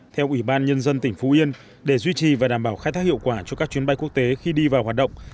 theo ủy ban nhân dân tỉnh phú yên để duy trì và đảm bảo khai thác hiệu quả cho các chuyến bay quốc tế khi đi vào hoạt động